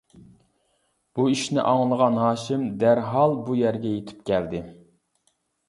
بۇ ئىشنى ئاڭلىغان ھاشىم دەرھال بۇ يەرگە يىتىپ كەلدى.